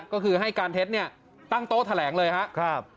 ก็คือให้การเท็จเนี่ยตั้งโต๊ะแถลงเลยครับ